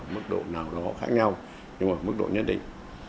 mức độ nào nó khác nhau nhưng mà mức độ nhất định